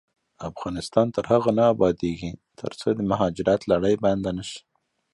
افغانستان تر هغو نه ابادیږي، ترڅو د مهاجرت لړۍ بنده نشي.